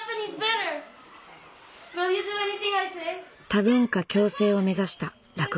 多文化共生を目指した落語。